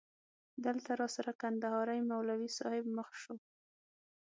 دلته راسره کندهاری مولوی صاحب مخ شو.